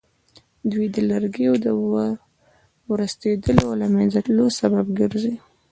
دوی د لرګیو د ورستېدلو او له منځه تلو سبب ګرځي.